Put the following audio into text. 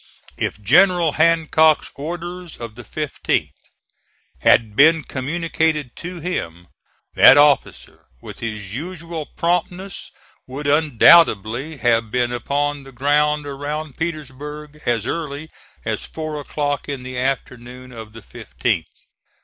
If General Hancock's orders of the 15th had been communicated to him, that officer, with his usual promptness, would undoubtedly have been upon the ground around Petersburg as early as four o'clock in the afternoon of the 15th.